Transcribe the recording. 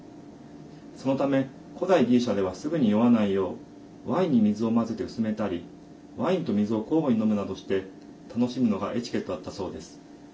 そのため、古代ギリシャではすぐに酔わないようワインに水を混ぜて薄めたりワインと水を交互に飲むなどして楽しむのがエチケットだったそうです。